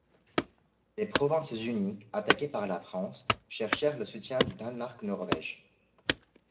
Les Provinces-Unies, attaquée par la France, cherchèrent le soutien du Danemark-Norvège.